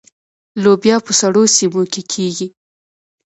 لوبیا په سړو سیمو کې کیږي.